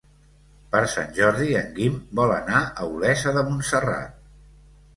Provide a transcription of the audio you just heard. Per Sant Jordi en Guim vol anar a Olesa de Montserrat.